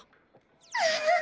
アッハハ！